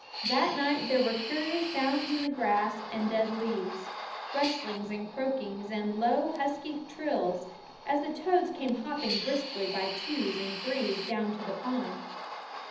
That night there were curious sounds in the grass and dead leaves rustlings and croakings and low husky trills, as the toads came hopping briskly by twos and threes down to the pond.